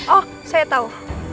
oh saya tau